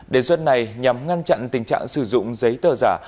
đề xuất này nhằm ngăn chặn tình trạng sử dụng giấy tờ giả